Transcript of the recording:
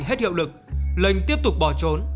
hết hiệu lực lệnh tiếp tục bỏ trốn